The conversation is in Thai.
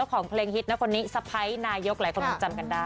ของเพลงฮิตนะคนนี้สะพ้ายนายกหลายคนคงจำกันได้